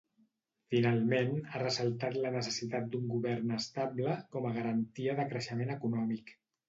Finalment, ha ressaltat la necessitat d'un govern estable com a garantia de creixement econòmic.